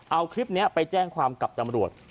เอาคลิปนี้ไปแจ้งความกับตำรวจ